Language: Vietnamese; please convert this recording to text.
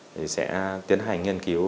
thì sẽ tiến hành nghiên cứu